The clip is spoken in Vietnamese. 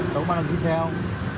đâu có mang đăng ký xe không